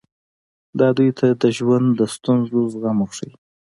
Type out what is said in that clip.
دا دوی ته د ژوند د ستونزو زغم ورښيي.